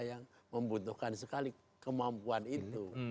yang membutuhkan sekali kemampuan itu